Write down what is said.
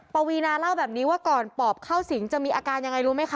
ปวีนาเล่าแบบนี้ว่าก่อนปอบเข้าสิงจะมีอาการยังไงรู้ไหมคะ